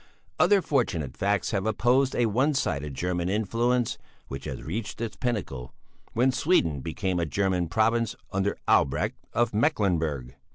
Other fortunate facts have opposed a one sided German influence which had reached its pinnacle when Sweden became a German province under Albrecht of Mecklenburg.